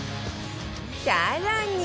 更に